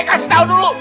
kasih tau dulu